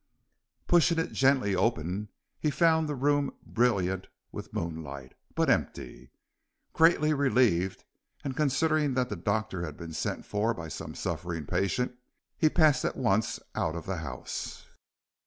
Pushing it gently open he found the room brilliant with moonlight but empty. Greatly relieved and considering that the doctor had been sent for by some suffering patient, he passed at once out of the house.